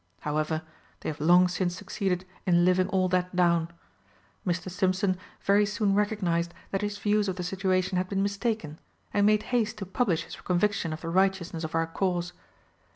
However, they have long since succeeded in living all that down. Mr. Stimpson very soon recognised that his views of the situation had been mistaken, and made haste to publish his conviction of the righteousness of our cause.